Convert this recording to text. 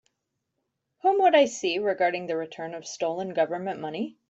Whom would I see regarding the return of stolen Government money?